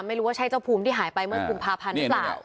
ไม่ใช่เจ้าภูมิที่หายไปเมื่อกุมภาพันธ์หรือเปล่า